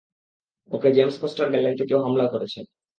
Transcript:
ওকে James Coster গ্যালারিতে কেউ হামলা করেছেন।